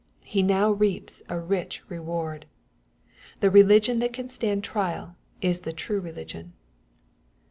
He now reaps a rich reward. The religion that can stand trial is the true religion.